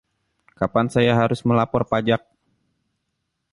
Kapan saya harus melapor pajak?